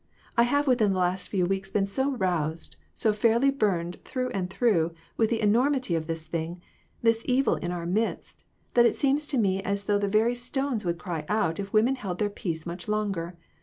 I have within the last few weeks been so roused, so fairly burned through and through with the enormity of this thing, this evil in our midst, that it seems to me as though the very stones would cry out if women held their peace much longer.